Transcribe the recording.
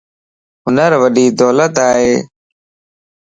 ھنر وڏي دولت ائي.